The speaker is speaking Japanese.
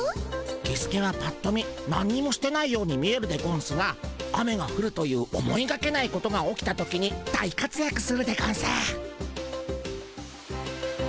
キスケはぱっと見なんにもしてないように見えるでゴンスが雨がふるという思いがけないことが起きた時に大かつやくするでゴンス。